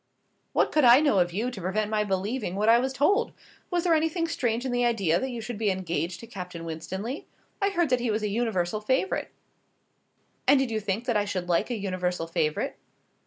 "What could I know of you to prevent my believing what I was told? Was there anything strange in the idea that you should be engaged to Captain Winstanley? I heard that he was a universal favourite." "And did you think that I should like a universal favourite?"